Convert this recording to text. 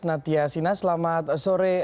natia sina selamat sore